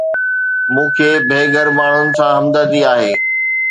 مون کي بي گهر ماڻهن سان همدردي آهي